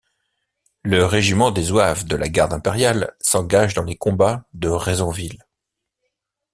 Le régiment des zouaves de la Garde impériale s’engage dans les combats de Rezonville.